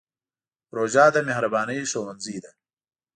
روژه د مهربانۍ ښوونځی دی.